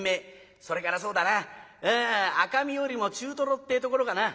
それからそうだな赤身よりも中トロってえところかな。